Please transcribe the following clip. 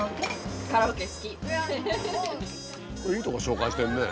これいいとこ紹介してるね。